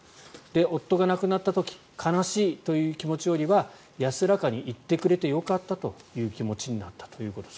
夫が亡くなった時悲しいという気持ちよりは安らかに逝ってくれてよかったという気持ちになったということです。